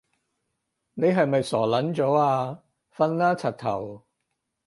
你係咪傻撚咗啊？瞓啦柒頭